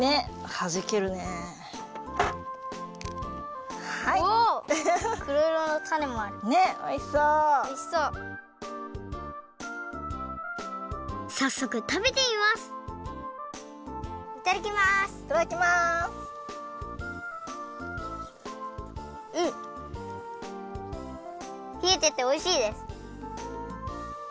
ひえてておいしいです。